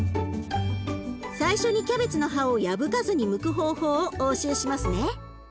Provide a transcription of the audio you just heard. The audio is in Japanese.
最初にキャベツの葉を破かずにむく方法をお教えしますね。